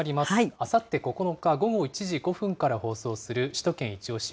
あさって９日午後１時５分から放送する、首都圏いちオシ！